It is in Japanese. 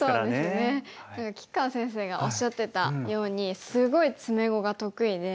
吉川先生がおっしゃってたようにすごい詰碁が得意で。